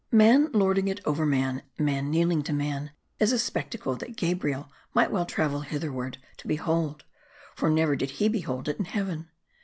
Man lording it over man, man kneeling to man, is a spectacle that Gabriel might well travel hit2ierward to be hold ; for never did he behold it in heaven.